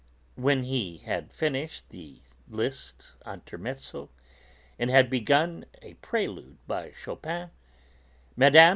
When he had finished the Liszt Intermezzo and had begun a Prelude by Chopin, Mme.